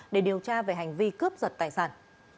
để điều tra về hành vi cướp giật tài sản